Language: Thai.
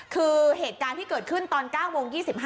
คือเหตุการณ์ที่เกิดขึ้นตอน๙โมง๒๕